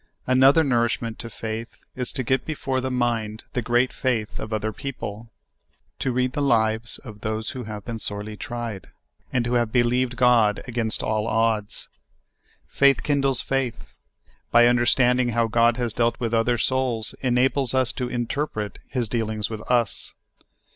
Another nourishment to faith is to get before the mind the great faith of other people — to read the lives of those who have been sorely tried, and who have be lieved God against all odds. Faith kindles faith ; by understanding how God has dealt with other souls en ables us to interpret His dealings with us.